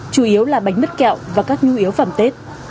chủ yếu là bánh mứt kẹo và các nhu yếu phẩm tết